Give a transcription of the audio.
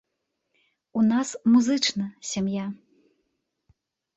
У нас музычна сям'я.